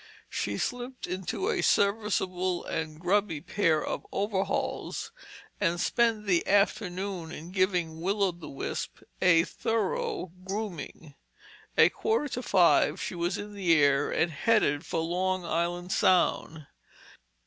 She slipped into a serviceable and grubby pair of overalls, and spent the afternoon in giving Will o' the Wisp a thorough grooming. At quarter to five she was in the air and headed for Long Island Sound.